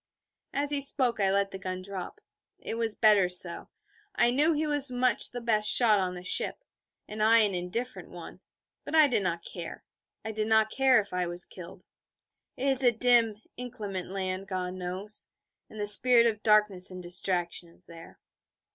As he spoke I let the gun drop. It was better so. I knew that he was much the best shot on the ship, and I an indifferent one: but I did not care, I did not care, if I was killed. It is a dim, inclement land, God knows: and the spirit of darkness and distraction is there.